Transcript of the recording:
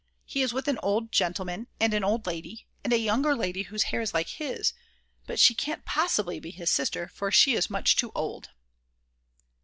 He is with an old gentleman and an old lady and a younger lady whose hair is like his, but she can't possibly be his sister for she is much too old.